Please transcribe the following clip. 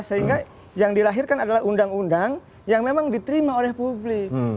sehingga yang dilahirkan adalah undang undang yang memang diterima oleh publik